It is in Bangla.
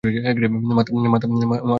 মাতাল ছিলাম আমি!